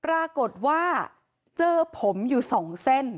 ปรากฏว่าเจอผมอยู่๒เส้น